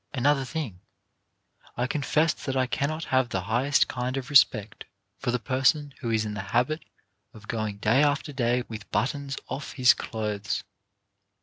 Another thing; I confess that I cannot have the highest kind of respect for the person who is in the habit of going day after day with buttons off his clothes.